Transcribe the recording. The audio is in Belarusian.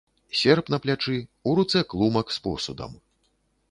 Серп на плячы, у руцэ клумак з посудам.